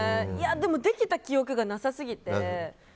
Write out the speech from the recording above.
でも、できた記憶がなさ過ぎて。